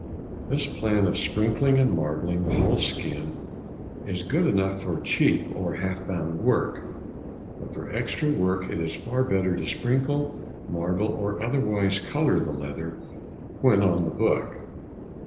This plan of sprinkling and marbling the whole skin is good enough for cheap or |101| half bound work, but for extra work it is far better to sprinkle, marble, or otherwise colour the leather when on the book.